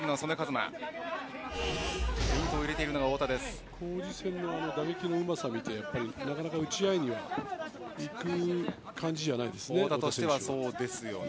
皇治戦の打撃のうまさを見てなかなか打ち合いに行く感じじゃないですよね。